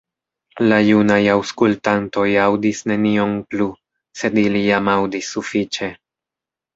La junaj aŭskultantoj aŭdis nenion plu, sed ili jam aŭdis sufiĉe.